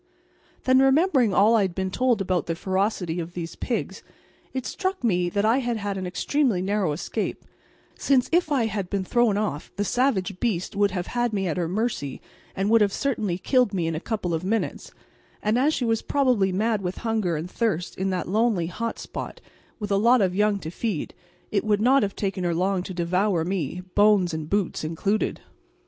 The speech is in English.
Then, remembering all I had been told about the ferocity of these pigs, it struck me that I had had an extremely narrow escape, since if I had been thrown off the savage beast would have had me at her mercy and would have certainly killed me in a couple of minutes; and as she was probably mad with hunger and thirst in that lonely hot spot, with a lot of young to feed, it would not have taken her long to devour me, bones and boots included.